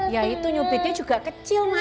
ya itu nyubitnya juga kecil mas